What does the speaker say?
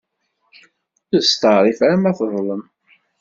Ur testeεrif ara ma teḍlem.